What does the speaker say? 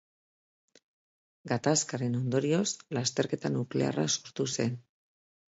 Gatazkaren ondorioz lasterketa nuklearra sortu zen.